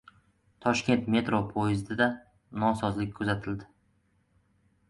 Toshkent metro poyezdida nosozlik kuzatildi